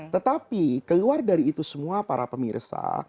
tetapi keluar dari itu semua para pemirsa